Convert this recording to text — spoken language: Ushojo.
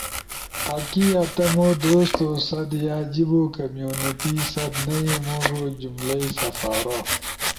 آکی یا تمو دوستو ست یا جیبو کمیونٹی ست نئی موڙو جملئی سپارا۔